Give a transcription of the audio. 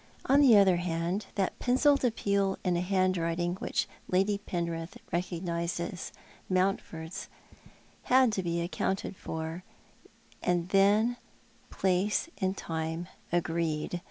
On the other hand, that pencilled appeal in a handwriting which Lady Penrith recognised as Mountford's liad to be accounted for; and then place and time agreed.